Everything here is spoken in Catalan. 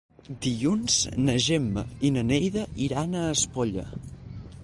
Dilluns na Gemma i na Neida iran a Espolla.